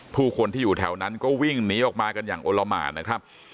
ผู้คนที่อยู่แถวนั้นก็วิ่งหนีออกมากันอย่างโอละหมานนะครับ